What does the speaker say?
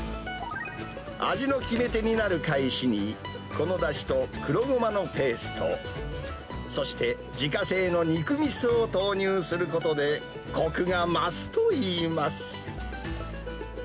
味の決め手になるかえしに、このだしと黒ゴマのペースト、そして自家製の肉みそを投入することで、こくが増すといいます。